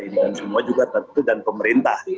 ingin semua juga dan pemerintah